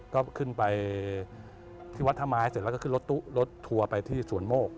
ก็ขึ้นไปที่วัดท่าไม้เสร็จแล้วก็ขึ้นรถตู้รถทัวร์ไปที่สวนโมก